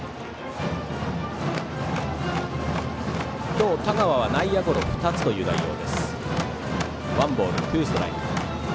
今日、田川は内野ゴロ２つという内容。